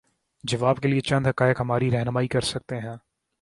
جواب کے لیے چند حقائق ہماری رہنمائی کر سکتے ہیں۔